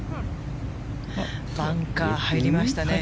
バンカー入りましたね。